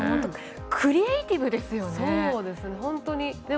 クリエーティブですよね。